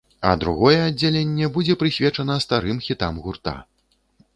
А другое аддзяленне будзе прысвечана старым хітам гурта.